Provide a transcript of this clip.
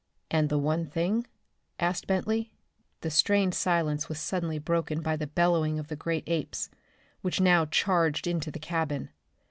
"And the one thing?" asked Bentley. The strained silence was suddenly broken by the bellowing of the great apes, which now charged into the cabin.